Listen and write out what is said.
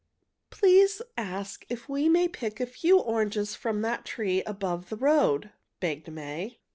Please ask if we may pick a few oranges from that tree just above the road," begged May.